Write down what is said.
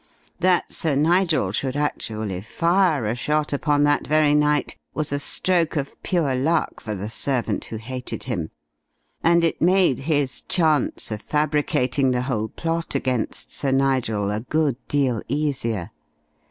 That Sir Nigel should actually fire a shot upon that very night was a stroke of pure luck for the servant who hated him. And it made his chance of fabricating the whole plot against Sir Nigel a good deal easier.